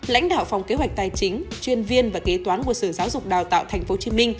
lãnh đạo phòng kế hoạch tài chính chuyên viên và kế toán của sở giáo dục đào tạo tp hcm